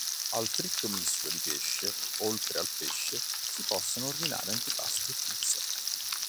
Al fritto misto di pesce oltre al pesce si possono ordinare antipasti e pizza.